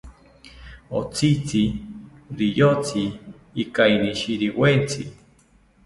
Otzitzi riyotzi ikainishiriwetzi